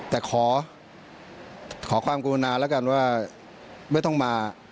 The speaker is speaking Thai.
แต่ขอความกรุณาแล้วกันว่าไม่ต้องมา